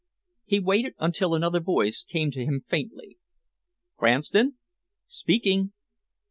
He waited until another voice came to him faintly. "Cranston?" "Speaking."